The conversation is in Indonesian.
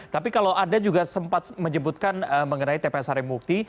tapi kalau anda juga sempat menyebutkan mengenai tpsrm mukti